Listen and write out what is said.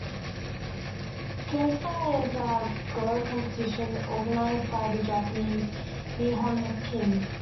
Kisei is a Go competition organised by the Japanese Nihon Ki-in.